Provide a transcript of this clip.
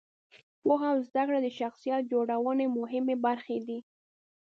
پوهه او زده کړه د شخصیت جوړونې مهمې برخې دي.